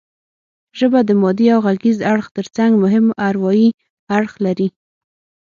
ژبه د مادي او غږیز اړخ ترڅنګ مهم اروايي اړخ لري